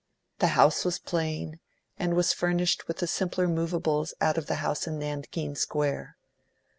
The house was plain, and was furnished with the simpler moveables out of the house in Nankeen Square.